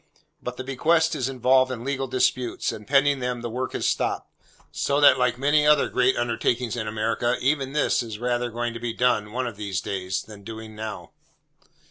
But the bequest is involved in legal disputes, and pending them the work has stopped; so that like many other great undertakings in America, even this is rather going to be done one of these days, than doing now.